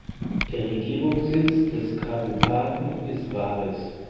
Der Regierungssitz des Kabupaten ist Waris.